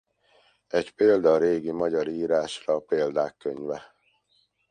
Egy példa a régi magyar írásra a Példák Könyve.